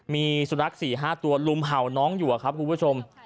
มีสุนัข๔๕ตัวลุมเห่าน้องอยู่ครับคุณผู้ชม